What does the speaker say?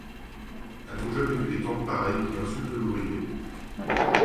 A-t-on jamais vu des tantes pareilles qui insultent l'ouvrier !